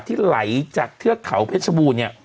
ที่ไหลจากเทือกเขาเพชรบูรณ์เนี่ย